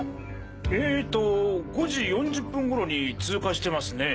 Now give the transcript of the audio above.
えと５時４０分頃に通過してますね。